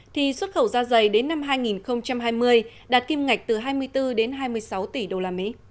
thì xuất khẩu da dày đến năm hai nghìn hai mươi đạt kim ngạch từ hai mươi bốn đến hai mươi sáu tỷ usd